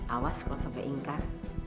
awas kok sampai ingkar